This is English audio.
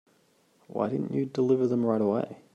Why didn't you deliver them right away?